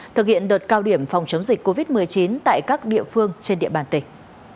thực hiện đợt cao điểm phòng chống dịch covid một mươi chín tại các địa phương trên địa bàn tỉnh